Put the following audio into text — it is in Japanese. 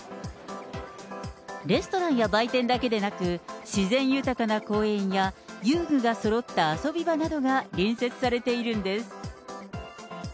レストランや売店だけでなく、自然豊かな公園や遊具がそろった遊び場などが隣接されているんです。